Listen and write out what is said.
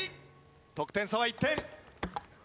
得点差は１点。